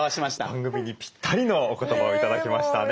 番組にぴったりのお言葉を頂きましたね。